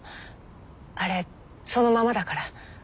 あれそのままだから。